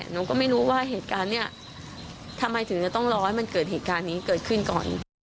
หนูก็ไม่รู้ว่าเหตุการณ์นี้ทำไมถึงจะต้องรอให้มันเกิดเหตุการณ์นี้เกิดขึ้นก่อน